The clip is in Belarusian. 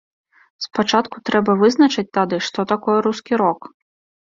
Спачатку трэба вызначыць тады, што такое рускі рок.